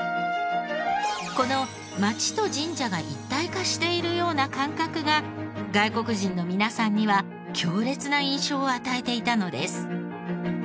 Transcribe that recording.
この街と神社が一体化しているような感覚が外国人の皆さんには強烈な印象を与えていたのです。